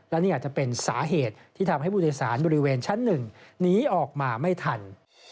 และนี่อาจจะเป็นสาเหตุที่ทำให้ผู้โดยสารบริเวณชั้น๑หนีออกมาไม่ทัน